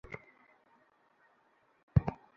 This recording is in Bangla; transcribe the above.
সুতরাং যিনি সৃষ্টি করেন, তিনি কি তারই মত, যে সৃষ্টি করে না?